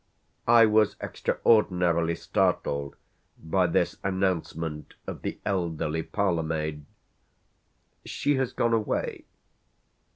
I was extraordinarily startled by this announcement of the elderly parlour maid. "She has gone away?"